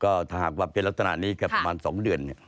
ก็ถ้าหากว่าเป็นลักษณะนี้แค่ประมาณ๒เดือน